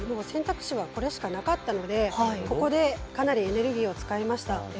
選択肢はこれしかなかったのでここでかなりエネルギーを使いました。